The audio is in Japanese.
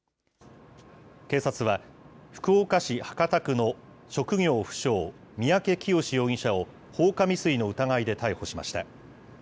警察は、福岡市博多区の職業不詳、三宅潔容疑者を、放火未遂の疑いで逮捕しました。